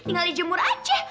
tinggal dijemur aja